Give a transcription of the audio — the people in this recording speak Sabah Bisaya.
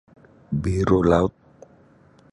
Biru laut.